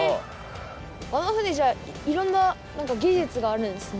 あの船じゃあいろんなぎじゅつがあるんですね。